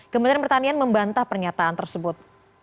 kementerian pertanian membantah pernyataan tersebut